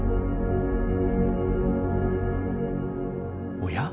おや？